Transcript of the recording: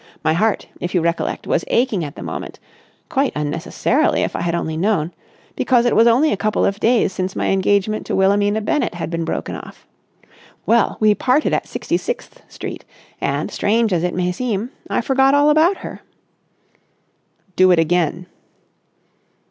My heart, if you recollect, was aching at the moment—quite unnecessarily if I had only known—because it was only a couple of days since my engagement to Wilhelmina Bennett had been broken off. Well, we parted at Sixty sixth Street, and, strange as it may seem, I forgot all about her." "Do it again!"